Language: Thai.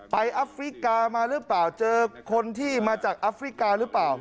อัฟริกามาหรือเปล่าเจอคนที่มาจากอัฟริกาหรือเปล่า